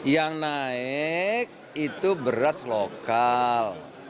yang naik itu beras lokal